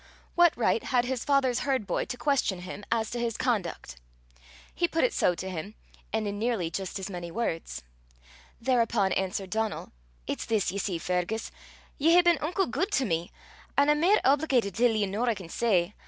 What right had his father's herd boy to question him as to his conduct? He put it so to him and in nearly just as many words. Thereupon answered Donal "It's this, ye see, Fergus: ye hae been unco guid to me, an' I'm mair obligatit till ye nor I can say.